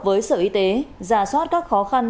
với sở y tế giả soát các khó khăn